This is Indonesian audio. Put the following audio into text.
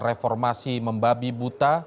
reformasi membabi buta